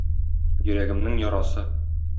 Йөрәгемнең ярасы.